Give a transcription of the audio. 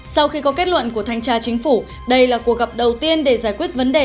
sau khi có kết luận của thanh tra chính phủ đây là cuộc gặp đầu tiên để giải quyết vấn đề